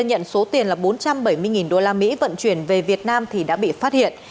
nhận số tiền là bốn trăm bảy mươi usd vận chuyển về việt nam thì đã bị phát hiện